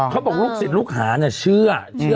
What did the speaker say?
เขาบอกลูกศิษย์ลูกหาเนี่ยเชื่อ